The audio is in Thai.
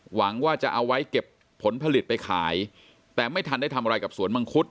หวังว่าจะเอาไว้เก็บผลผลิตไปขายแต่ไม่ทันได้ทำอะไรกับสวนมังคุด